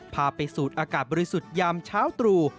พาไปสูดอากาศบริสุทธิ์ยามเช้าตรู่